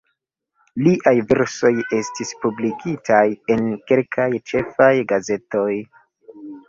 Liaj versoj estis publikigitaj en kelkaj ĉefaj gazetoj.